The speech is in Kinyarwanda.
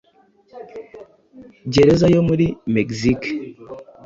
gereza yo muri Mexique